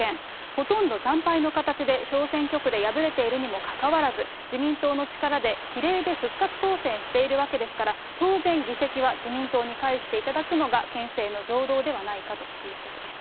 ほとんど惨敗の形で小選挙区で敗れているにもかかわらず、自民党の力で比例で復活当選しているわけですから、当然、議席は自民党に返していただくのが、憲政の常道ではないかということです。